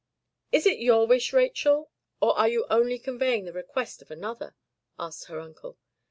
"Is it your wish, Rachel, or are you only conveying the request of another?" asked her uncle.